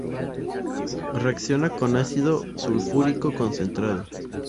Reacciona con ácido sulfúrico concentrado.